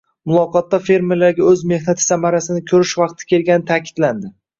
Muloqotda fermerlarga oʻz mehnati samarasini koʻrish vaqti kelgani taʼkidlandi.